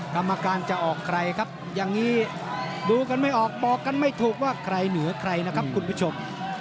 กรรมการจะออกใครครับอย่างนี้ดูกันไม่ออกบอกกันไม่ถูกว่าใครเหนือใครนะครับคุณผู้ชม